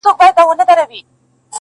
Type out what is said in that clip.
ور سره سم ستا غمونه نا بللي مېلمانه سي.